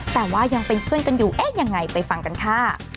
แต่ว่ายังเป็นเพื่อนกันอยู่เอ๊ะยังไงไปฟังกันค่ะ